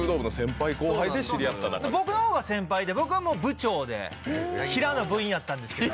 僕の方が先輩で僕は部長で平の部員やったんですけど。